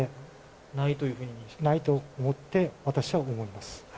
ないというふうに？ないと思って、私は思います。